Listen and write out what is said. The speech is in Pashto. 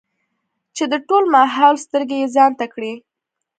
چې د ټول ماحول سترګې يې ځان ته کړې ـ